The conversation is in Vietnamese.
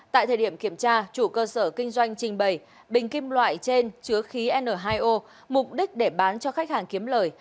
tại thời điểm kiểm tra chủ cơ sở kinh doanh trình bày bình kim loại trên chứa khí n hai o mục đích để bán cho khách hàng kiếm lời